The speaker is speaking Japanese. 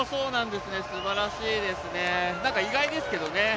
すばらしいですね、なんか意外ですけどね。